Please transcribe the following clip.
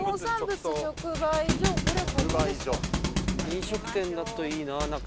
飲食店だといいな中。